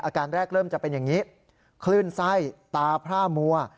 อาการแรกเริ่มจะเป็นอย่างนี้คลื่นไส้ตาพร่ามัว